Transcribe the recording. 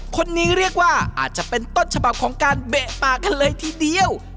คนนี้เรียกว่าอาจจะเป็นต้นฉบับของการเบะปากกันเลยทีเดียว